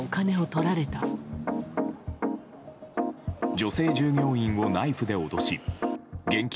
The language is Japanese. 女性従業員をナイフで脅し現金